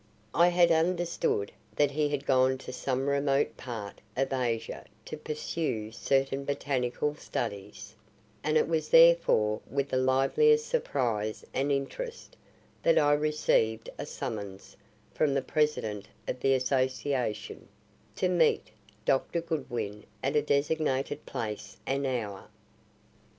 I had understood that he had gone to some remote part of Asia to pursue certain botanical studies, and it was therefore with the liveliest surprise and interest that I received a summons from the President of the Association to meet Dr. Goodwin at a designated place and hour.